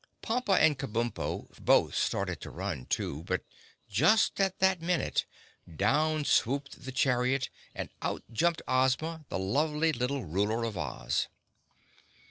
Pompa and Kabumpo both started to run, too, but just at that minute down swooped the chariot and out jumped Ozma, the lovely little Ruler of Oz.